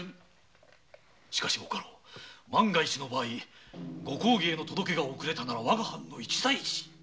しかしご家老万が一の場合ご公儀への届けが遅れたなら我が藩の一大事！